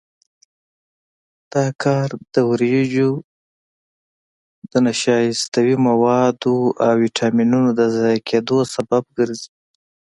دا کار د وریجو د نشایستوي موادو او ویټامینونو د ضایع کېدو سبب ګرځي.